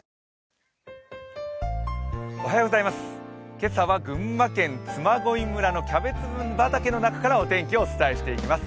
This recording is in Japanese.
今朝は群馬県嬬恋村のキャベツ畑の中からお天気をお伝えしていきます。